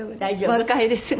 若いですね。